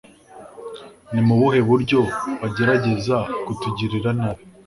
ni mu buhe buryo bagerageza kutugirira nabi